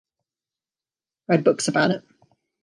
I read books about it.